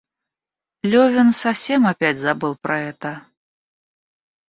Левин совсем опять забыл про это.